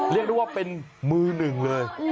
เรียกได้ว่าเป็นมือหนึ่งเลย